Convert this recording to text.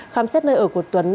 khám xét nơi ở của tuấn